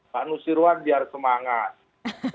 pak musyawan biar semangat